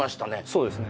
そうですね